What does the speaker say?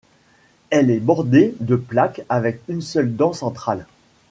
Elle est bordée de plaques avec une seule dent centrale.